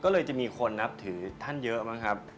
ก็เลยจะมีคนนับถือท่านเยอะมั้งครับ